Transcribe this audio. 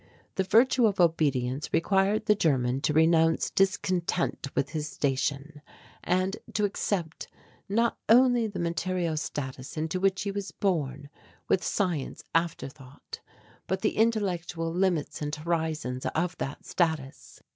The virtue of obedience required the German to renounce discontent with his station, and to accept not only the material status into which he was born, with science aforethought, but the intellectual limits and horizons of that status.